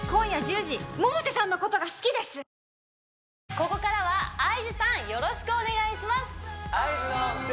ここからはＩＧさんよろしくお願いします！